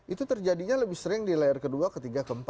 itu terjadinya lebih sering di layar ke dua ke tiga ke empat